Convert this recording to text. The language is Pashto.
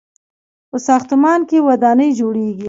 په ساختمان کې ودانۍ جوړیږي.